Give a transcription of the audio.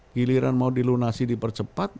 giliran mau dilunasi dipercepat